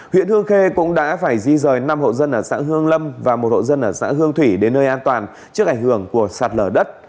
huyện hương khê cũng đã phải di rời năm hộ dân ở xã hương lâm và một hộ dân ở xã hương thủy đến nơi an toàn trước ảnh hưởng của sạt lở đất